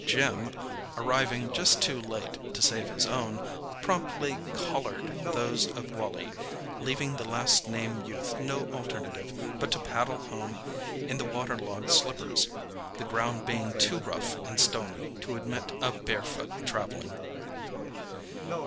Jim, arriving just too late to save his own, promptly "collared" those of Wally, leaving the last named youth no alternative but to paddle home in the water logged slippers—the ground being too rough and stony to admit of barefoot travelling.